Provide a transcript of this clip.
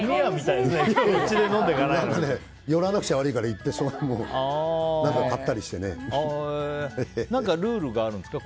寄らなくちゃ悪いからルールがあるんですか？